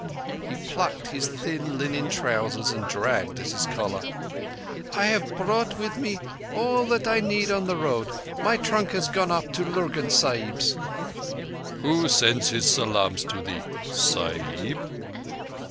He plucked his thin linen trousers and dragged at his collar. "I have brought with me all that I need on the Road. My trunk has gone up to Lurgan Sahib's." "Who sends his salaams to thee—Sahib."